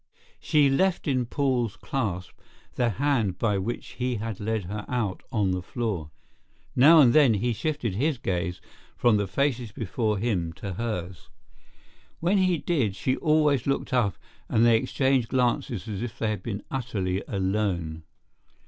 She left in Paul's clasp the hand by which he had led her out on the floor. Now and then he shifted his gaze from the faces before him to hers. When he did, she always looked up and they exchanged glances as if they had been utterly alone.